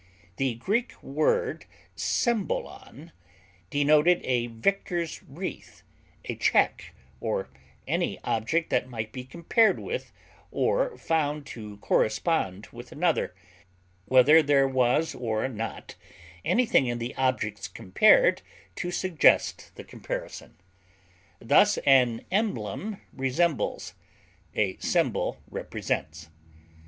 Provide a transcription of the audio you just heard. The Greek word symbolon denoted a victor's wreath, a check, or any object that might be compared with, or found to correspond with another, whether there was or was not anything in the objects compared to suggest the comparison. Thus an emblem resembles, a symbol represents.